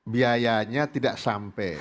biayanya tidak sampai